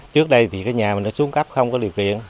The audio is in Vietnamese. trước đây thì cái nhà mình đã xuống cấp không có điều kiện